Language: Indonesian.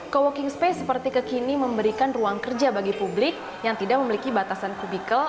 co working space seperti kekini memberikan ruang kerja bagi publik yang tidak memiliki batasan kubikel